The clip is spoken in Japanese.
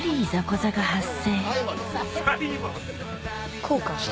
こうか。